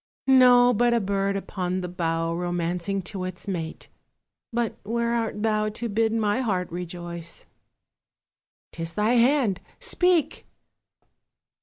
No, but a bird upon the bough Romancing to its mate, but where art thou To bid my heart rejoice? 'Tis thy hand, speak!